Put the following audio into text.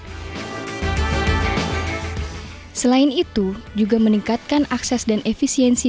pertama kebijakan makroprudensial yang tersebut juga meningkatkan akses dan efisiensi